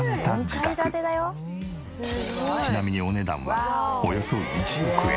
ちなみにお値段はおよそ１億円。